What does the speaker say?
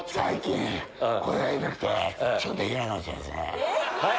はい？